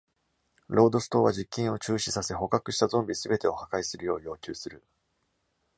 ロードス島は実験を中止させ、捕獲したゾンビ全てを破壊するよう要求する。